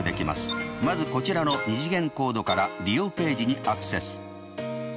まずこちらの２次元コードから利用ページにアクセス。